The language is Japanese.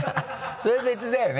それ別だよね